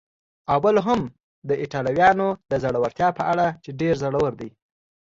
او بل هم د ایټالویانو د زړورتیا په اړه چې ډېر زړور دي.